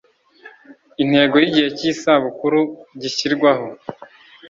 intego y ‘igihe cy ‘isabukuru gishyirwaho.